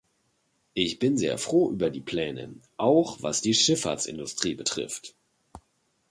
Ich bin sehr froh über die Pläne, auch was die Schifffahrtsindustrie betrifft.